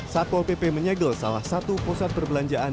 satpol pp menyegel salah satu pusat perbelanjaan